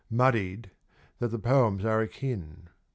muddied that the poems are akin.